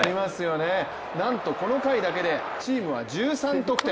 なんとこの回だけでチームは１３得点。